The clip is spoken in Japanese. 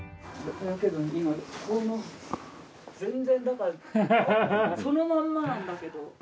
今全然だからそのまんまなんだけど。